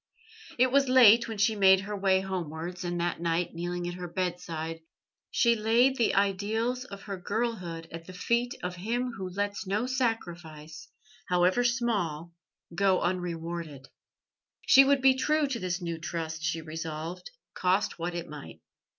It was late when she made her way homewards, and that night, kneeling at her bedside, she laid the ideals of her girlhood at the feet of Him Who lets no sacrifice, however small, go unrewarded. She would be true to this new trust, she resolved, cost what it might.